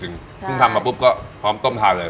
ซึ่งทำมาก็พร้อมค่อยต้มทานเลย